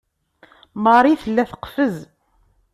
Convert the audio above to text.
Marie tella teqfez.